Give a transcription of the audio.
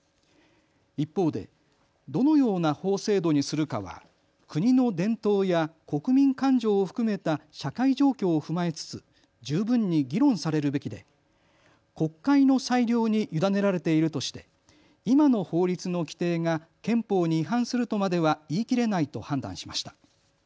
一方で、どのような法制度にするかは国の伝統や国民感情を含めた社会状況を踏まえつつ十分に議論されるべきで国会の裁量に委ねられているとして今の法律の規定が憲法に違反するとまでは言い切れないと判断しました。